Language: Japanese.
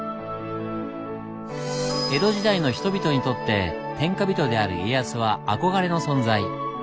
江戸時代の人々にとって天下人である家康は憧れの存在。